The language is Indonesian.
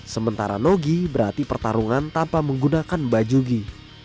sementara nogi berarti pertarungan tanpa menggunakan baju gi